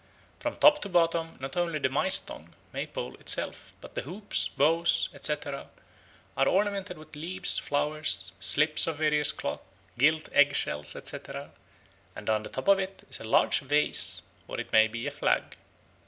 From top to bottom not only the 'Maj Stang' (May pole) itself, but the hoops, bows, etc., are ornamented with leaves, flowers, slips of various cloth, gilt egg shells, etc.; and on the top of it is a large vane, or it may be a flag."